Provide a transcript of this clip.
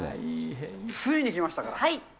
ついに来ましたか。